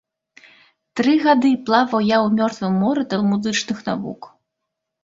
Тры гады плаваў я ў мёртвым моры талмудычных навук.